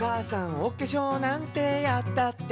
「おけしょうなんてやったって」